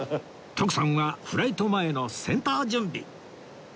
徳さんはフライト前の戦闘準備